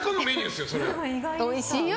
でも、おいしいよ？